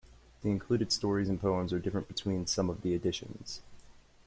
The included stories and poems are different between some of the editions.